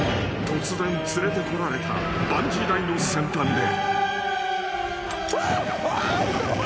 ［突然連れてこられたバンジー台の先端で］